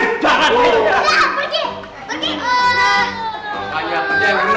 pak jatuh ya bener